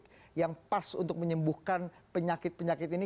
dan apa antibiotik yang pas untuk menyembuhkan penyakit penyakit ini